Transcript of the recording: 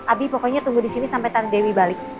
abie pokoknya tunggu disini sampai tante dewi balik